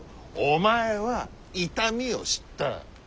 お前は痛みを知った。